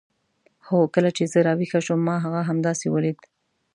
هو کله چې زه راویښه شوم ما هغه همداسې ولید.